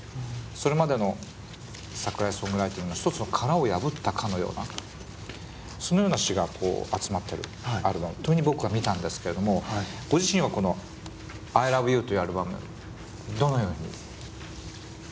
それまでの桜井ソングライティングの一つの殻を破ったかのようなそのような詞が集まってるアルバムというふうに僕は見たんですけれどもご自身はこの「ＩＵ」というアルバムどのように捉えてるんですか。